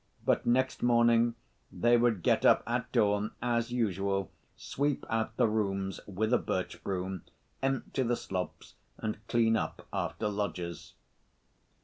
But next morning they would get up at dawn, as usual, sweep out the rooms with a birch‐broom, empty the slops, and clean up after lodgers.